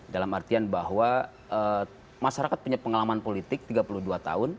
dalam artian bahwa masyarakat punya pengalaman politik tiga puluh dua tahun